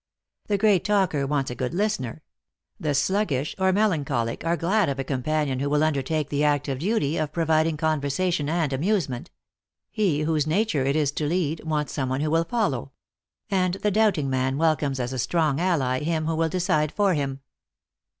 The great talker wants a good listener ; the sluggish or melancholic are glad of a companion who will undertake the active duty of providing conversation and amusement ; he whose nature it is to lead, wants some one who will follow ; and the doubting man welcomes as a strong ally, him who will decide for him.